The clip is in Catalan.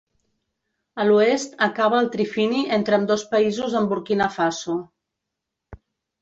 A l'oest acaba al trifini entre ambdós països amb Burkina Faso.